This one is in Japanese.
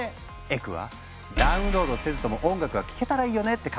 エクは「ダウンロードせずとも音楽が聴けたらいいよね」って考えた。